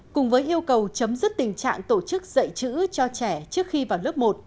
cùng với yêu cầu chấm dứt tình trạng tổ chức dạy chữ cho trẻ trước khi vào lớp một